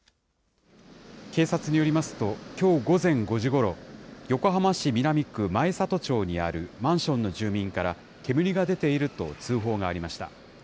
警察によりますと、きょう午前５時ごろ、横浜市南区前里町にあるマンションの住民から、煙が出ていると通報がありました。